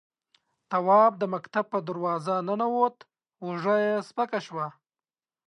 تواب د مکتب په دروازه ننوت، اوږه يې سپکه شوه.